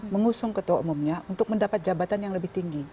mengusung ketua umumnya untuk mendapat jabatan yang lebih tinggi